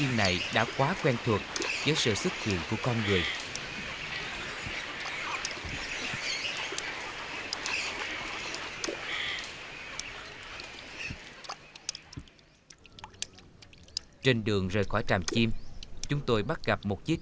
ngày nào cũng hai lượt dèo xuồng đi tuần thăm chim thăm lúa